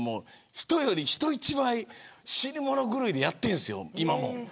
人より人一倍死に物狂いでやってるんですよ。